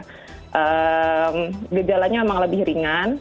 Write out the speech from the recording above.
jadi memang gejalanya memang lebih ringan